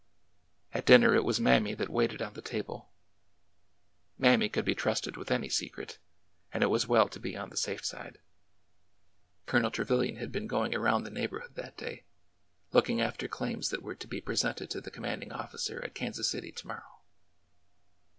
At dinner it was Mammy that waited on the table. Mammy could be trusted with any secret, and it was well to be on the safe side. Colonel Trevilian had been going around the neigh borhood that day, looking after claims that were to be presented to the commanding officer at Kansas City to morrow.